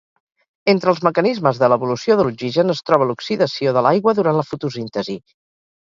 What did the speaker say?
Entre els mecanismes de l'evolució de l'oxigen es troben l'oxidació de l'aigua durant la fotosíntesi.